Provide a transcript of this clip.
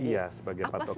iya sebagai patokan